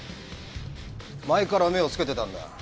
前から目を付けてたんだ。